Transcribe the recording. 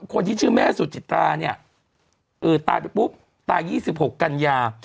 คนที่ชื่อแม่สุจิตราเนี่ยตายไปปุ๊บตาย๒๖กันยา